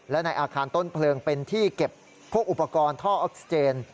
และในอาคารต้นเพลิงเป็นที่เก็บพวกอุปกรณ์ท่อออกซิเจน